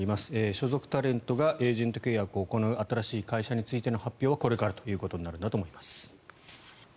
所属タレントがエージェント契約を行う新しい会社についての発表はこれからということになるんだと思います。